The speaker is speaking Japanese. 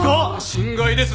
心外です。